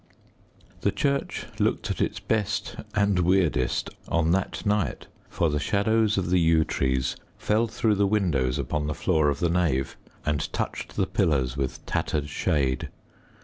The church looked at its best and weirdest on that night, for the shadows of the yew trees fell through the windows upon the floor of the nave and touched the pillars with tattered shade.